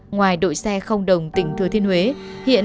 ngoài đội xe không đồng tỉnh thừa thiên huế